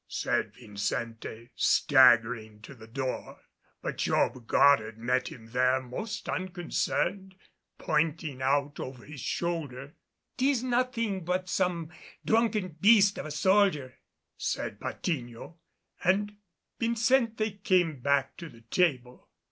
said Vincente, staggering to the door. But Job Goddard met him there most unconcerned, pointing out over his shoulder. "'Tis nothing but some drunken beast of a soldier," said Patiño. And Vincente came back to the table.